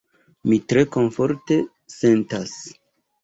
Mi tre komforte sentas.